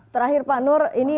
terakhir pak nur ini